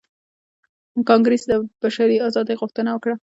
کانګریس د بشپړې ازادۍ غوښتنه وکړه.